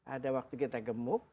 ada waktu kita gemuk